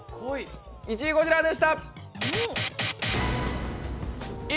１位こちらでした。